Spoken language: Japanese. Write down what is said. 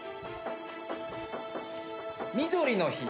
みどりの日。